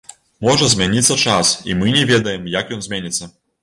Можа змяніцца час, і мы не ведаем, як ён зменіцца.